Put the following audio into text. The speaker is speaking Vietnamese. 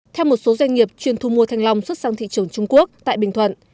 theo một số doanh nghiệp chuyên thu mua thanh long xuất sang thị trường trung quốc tại bình thuận